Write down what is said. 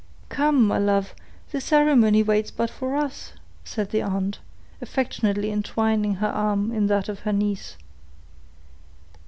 "Come, my love, the ceremony waits but for us," said the aunt, affectionately entwining her arm in that of her niece.